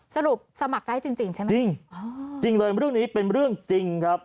สรุปสมัครได้จริงจริงใช่ไหมจริงเลยเรื่องนี้เป็นเรื่องจริงครับ